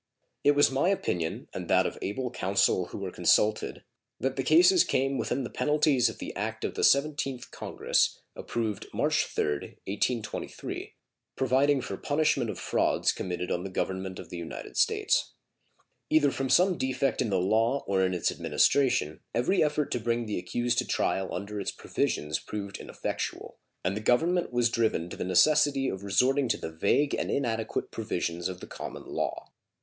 It was my opinion and that of able counsel who were consulted that the cases came within the penalties of the act of the 17th Congress approved March 3d, 1823, providing for punishment of frauds committed on the Government of the United States. Either from some defect in the law or in its administration every effort to bring the accused to trial under its provisions proved ineffectual, and the Government was driven to the necessity of resorting to the vague and inadequate provisions of the common law.